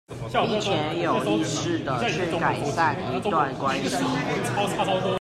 並且有意識地去改善一段關係